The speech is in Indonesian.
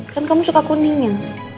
kan kamu suka kuningnya